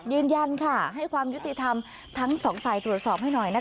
ยืนยันค่ะให้ความยุติธรรมทั้งสองฝ่ายตรวจสอบให้หน่อยนะคะ